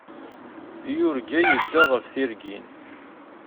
Yurga yedda ɣef tirgin.